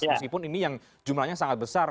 meskipun ini yang jumlahnya sangat besar